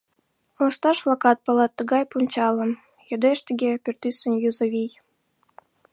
Лышташ-влакат палат тыгай пунчалым, Йодеш тыге пӱртӱсын юзо вий.